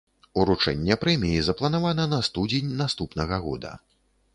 Уручэнне прэміі запланавана на студзень наступнага года.